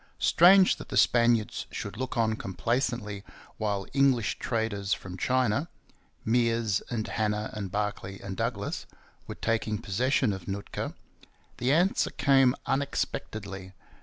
Strange that the Spaniards should look on complaisantly while English traders from China Meares and Hanna and Barkley and Douglas were taking possession of Nootka. The answer came unexpectedly.